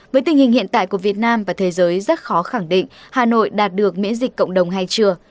với tình hình hiện tại của việt nam và thế giới rất khó khẳng định hà nội đạt được miễn dịch cộng đồng hay chưa